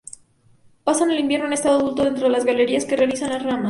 Pasan el invierno en estado adulto dentro de galerías que realiza en las ramas.